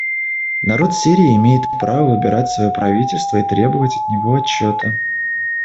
Народ Сирии имеет право выбирать свое правительство и требовать от него отчета.